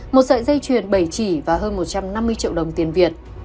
một sợi dây chuyền bảy chỉ và hơn một trăm năm mươi triệu đồng tiền việt